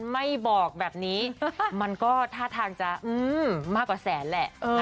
ไม่บอกแบบนี้มันก็ท่าทางจะมากกว่าแสนแหละ